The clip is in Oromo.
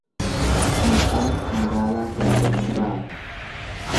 Mucaan magaalaa keessatti baata.